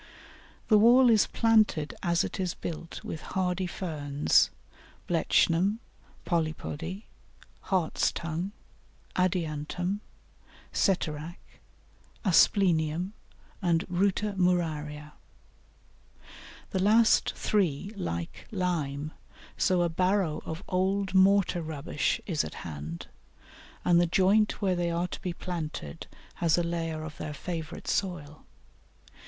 The wall is planted as it is built with hardy Ferns Blechnum, Polypody, Hartstongue, Adiantum, Ceterach, Asplenium, and Ruta muraria. The last three like lime, so a barrow of old mortar rubbish is at hand, and the joint where they are to be planted has a layer of their favourite soil.